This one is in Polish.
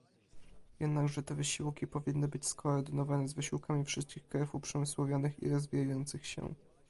Jednakże te wysiłki powinny być skoordynowane z wysiłkami wszystkich krajów uprzemysłowionych i rozwijających się